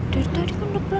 dari tadi kan lo pelan pelan